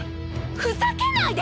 ふざけないで！